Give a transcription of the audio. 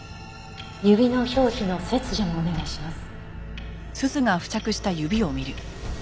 指の表皮の切除もお願いします。